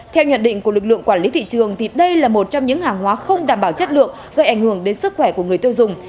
theo nhận định của lực lượng quản lý thị trường đây là một trong những hàng hóa không đảm bảo chất lượng gây ảnh hưởng đến sức khỏe của người tiêu dùng